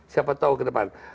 siapa tahu ke depan